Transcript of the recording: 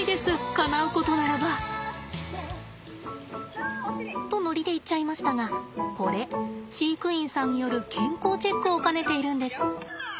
かなうことならば。とノリで言っちゃいましたがこれ飼育員さんによる健康チェックを兼ねているんです。